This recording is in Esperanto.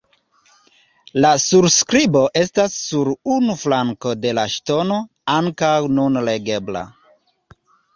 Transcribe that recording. La surskribo estas sur unu flanko de la ŝtono ankoraŭ nun legebla.